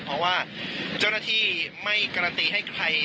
เพราะว่าเจ้าหน้าที่ไม่การันตีให้ใคร